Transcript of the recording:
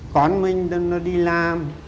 con mình nó đi làm